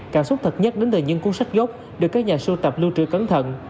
cảm xúc thật nhất đến thời nhân cuốn sách gốc được các nhà sưu tập lưu trữ cẩn thận